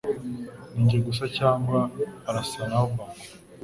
Ninjye gusa cyangwa arasa na Obama?